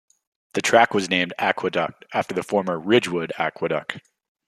The track was named "Aqueduct" after the former Ridgewood Aqueduct.